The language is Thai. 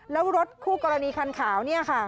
แล้วรถคู่กรณีคันขาวเนี่ยค่ะ